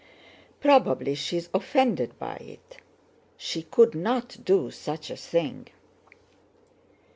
Probably she is offended by it. She could not do such a thing!"